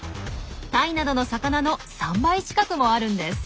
タイなどの魚の３倍近くもあるんです。